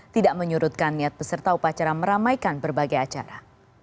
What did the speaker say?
tidak menyurutkan niat peserta upacara meramaikan berbagai acara